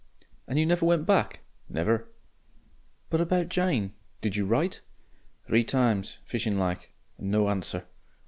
"And you never went back?" "Never." "But about Jane? Did you write?" "Three times, fishing like. And no answer.